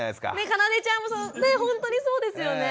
かなでちゃんもねっほんとにそうですよね。